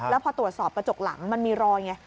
แล้วพอตรวจสอบกระจกหลังมันมีรอยไง